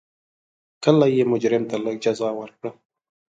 کله یې مجرم ته لږه جزا ورکړه.